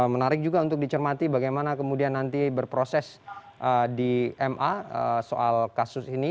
menarik juga untuk dicermati bagaimana kemudian nanti berproses di ma soal kasus ini